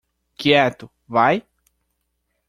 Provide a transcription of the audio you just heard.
Quieto, vai?